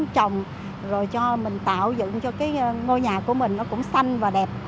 trồng rồi cho mình tạo dựng cho cái ngôi nhà của mình nó cũng xanh và đẹp